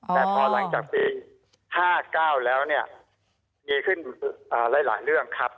แต่พอหลังจากปี๕๙แล้วเนี่ยมีขึ้นหลายเรื่องครับ